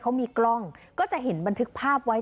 เขามีกล้องก็จะเห็นบันทึกภาพไว้